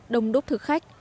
đồng đúc thực khách